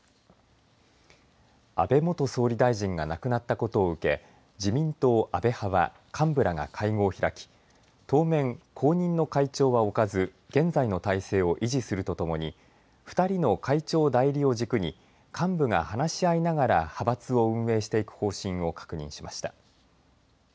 安倍元総理大臣が亡くなったことを受け自民党安倍派は幹部らが会合を開き当面、後任の会長は置かず現在の体制を維持するとともに２人の会長代理を軸に幹部が話し合いながら派閥を運営していく方針を確認しました。